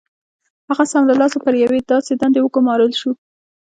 هغه سم له لاسه پر یوې داسې دندې وګومارل شو